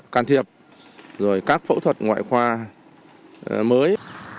can thiệp rồi các phẫu thuật ngoại khoa mới